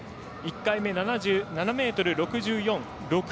１回目、７ｍ６４で６位。